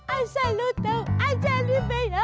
asal lu tahu aja nibaya